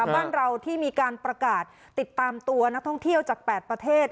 บ้านเราที่มีการประกาศติดตามตัวนักท่องเที่ยวจาก๘ประเทศ